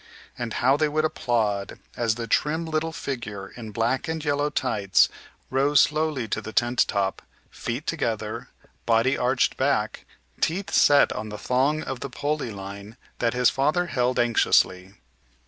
And how they would applaud as the trim little figure in black and yellow tights rose slowly to the tent top, feet together, body arched back, teeth set on the thong of the pulley line that his father held anxiously!